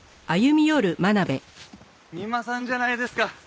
三馬さんじゃないですか。